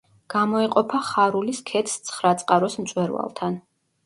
გამოეყოფა ხარულის ქედს ცხრაწყაროს მწვერვალთან.